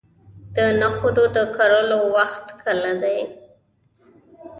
د نخودو د کرلو وخت کله دی؟